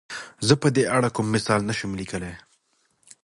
زۀ په دې اړه کوم مثال نه شم ليکلی.